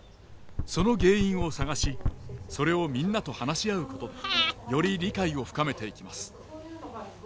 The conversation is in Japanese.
その原因を探しそれをみんなと話し合うことでより理解を深めていきます。